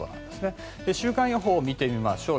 週間予報を見てみましょう。